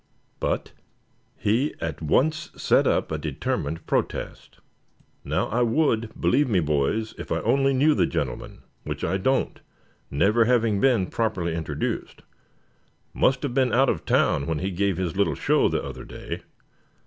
But he at once set up a determined protest. "Now, I would, believe me, boys, if I only knew the gentleman, which I don't, never having been properly introduced. Must have been out of town when he gave his little show the other day.